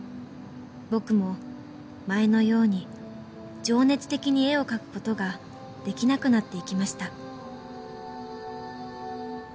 「僕も前のように情熱的に絵を描くことができなくなっていきました」